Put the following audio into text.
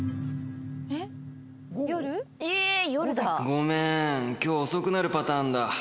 「ごめん今日遅くなるパターンだ」